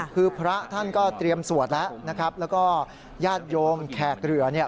คือพระท่านก็เตรียมสวดแล้วนะครับแล้วก็ญาติโยมแขกเรือเนี่ย